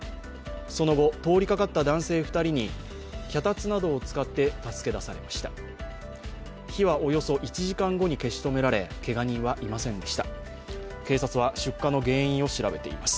その後、通りかかった男性２人に、脚立などを使って助け出されました。